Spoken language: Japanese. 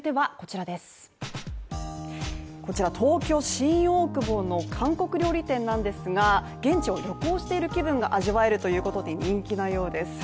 こちら、東京・新大久保の韓国料理店なんですが現地を旅行している気分が味わえるということで人気のようです。